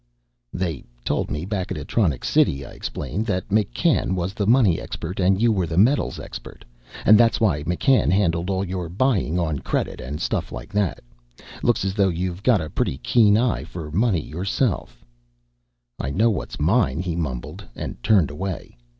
"They told me back at Atronics City," I explained, "that McCann was the money expert and you were the metals expert, and that's why McCann handled all your buying on credit and stuff like that. Looks as though you've got a pretty keen eye for money yourself." "I know what's mine," he mumbled, and turned away.